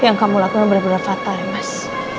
yang kamu lakuin benar benar fatal ya mas